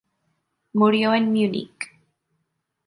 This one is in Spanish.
Murió en Múnich.